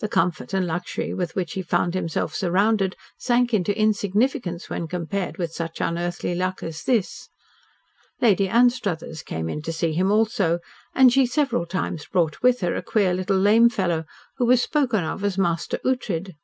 The comfort and luxury with which he found himself surrounded sank into insignificance when compared with such unearthly luck as this. Lady Anstruthers came in to see him also, and she several times brought with her a queer little lame fellow, who was spoken of as "Master Ughtred."